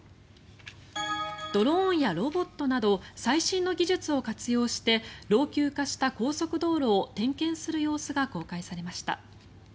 ドローンやロボットなど最新の技術を活用して老朽化した高速道路を点検する様子が公開されました。